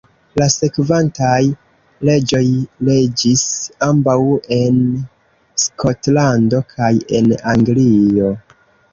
La sekvantaj reĝoj reĝis ambaŭ en Skotlando kaj en Anglio.